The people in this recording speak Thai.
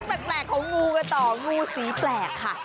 แปลกของงูกันต่องูสีแปลกค่ะ